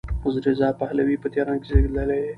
رضا پهلوي په تهران کې زېږېدلی دی.